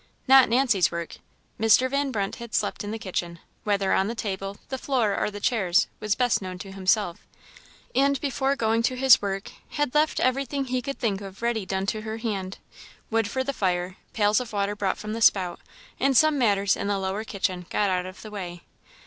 Not Nancy's work; Mr. Van Brunt had slept in the kitchen; whether on the table, the floor, or the chairs, was best known to himself; and before going to his work, had left everything he could think of ready done to her hand; wood for the fire, pails of water brought from the spout, and some matters in the lower kitchen got out of the way.